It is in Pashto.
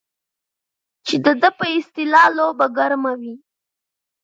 چې د ده په اصطلاح لوبه ګرمه وي.